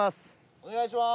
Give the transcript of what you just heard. お願いします。